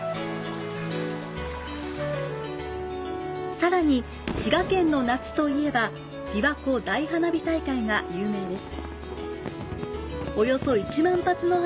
さらに、滋賀県の夏といえば、びわ湖大花火大会が有名です。